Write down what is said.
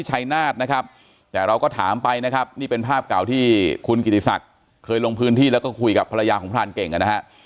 ชัยนาธนะครับแต่เราก็ถามไปนะครับนี่เป็นภาพเก่าที่คุณกิติศักดิ์เคยลงพื้นที่แล้วก็คุยกับภรรยาของพรานเก่งนะฮะ